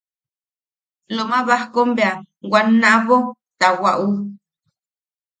Loma Bajkom bea wanna aʼabo taʼawaʼu.